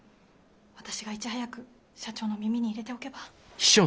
私がいち早く社長の耳に入れておけば。